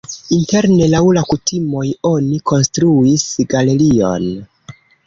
Interne laŭ la kutimoj oni konstruis galerion.